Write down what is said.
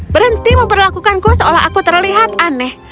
berhenti memperlakukanku seolah aku terlihat aneh